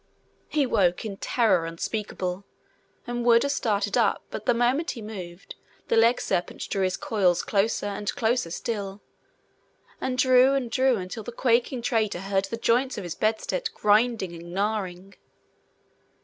He woke in terror unspeakable, and would have started up but the moment he moved, the legserpent drew his coils closer, and closer still, and drew and drew until the quaking traitor heard the joints of his bedstead grinding and gnarring.